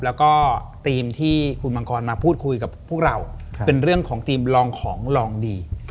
แล้วก็ทีมที่คุณมังกรมาพูดคุยกับพวกเราเป็นเรื่องของทีมลองของลองดี